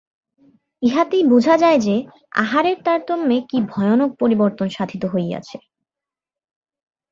ইহাতেই বুঝা যায় যে, আহারের তারতম্যে কি ভয়ানক পরিবর্তন সাধিত হইয়াছে।